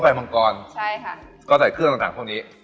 หม้อไฟมังกรก็ใส่เครื่องต่างพวกนี้